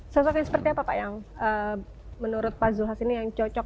sosok yang seperti apa pak yang menurut pak zulhas ini yang cocok